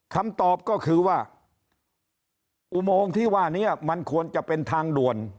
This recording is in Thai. คำตอบก็คือว่าอุโมงที่ว่านี้มันควรจะเป็นทางด่วน